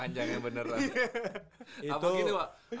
akhirnya nggak dirujak netizen